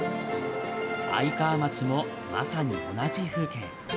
愛川町も、まさに同じ風景。